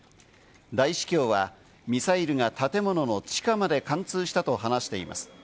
大司教はミサイルが建物の地下まで貫通したと話しています。